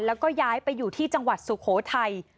แล้วก็ย้ายไปอยู่ที่จังหวัดสุโขทัย